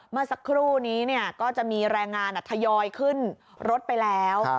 เมื่อสักครู่นี้ก็จะมีแรงงานทยอยขึ้นรถไปแล้ว